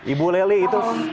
ibu leli itu